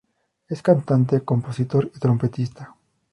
Es cantante, compositor y trompetista.